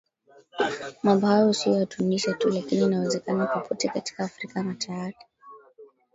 mambo hayo sio ya tunisia tu lakini inawezekana popote katika afrika na tayari